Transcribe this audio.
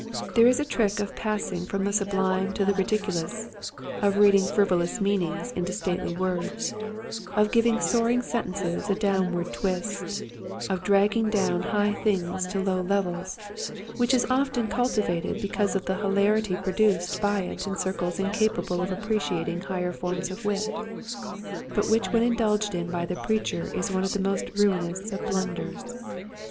There is a trick of passing from the sublime to the ridiculous, of reading frivolous meanings into stately words, of giving soaring sen tences a downward twist, of dragging down high things to low levels, which is often cultivated because of the hilarity produced by it in circles incapable of appreciating higher forms of wit, but which when indulged in by the preacher is one of the most ruinous of blunders.